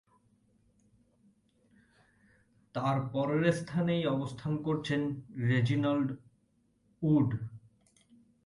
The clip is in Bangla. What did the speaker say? তার পরের স্থানেই অবস্থান করছেন রেজিনাল্ড উড।